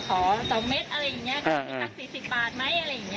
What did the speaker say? ขอสองเม็ดอะไรอย่างเงี้ยนักสี่สิบบาทไหมอะไรอย่างเงี้ย